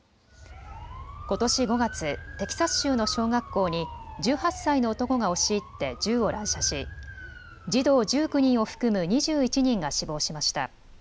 ことし５月、テキサス州の小学校に１８歳の男が押し入って銃を乱射し児童１９人を含む２１人が死亡しました。